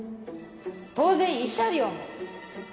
当然慰謝料も。